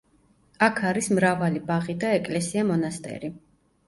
აქ არის მრავალი ბაღი და ეკლესია-მონასტერი.